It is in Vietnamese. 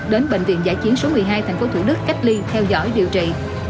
đến bệnh viện giã chiến số một mươi hai tp thủ đức cách ly theo dõi điều trị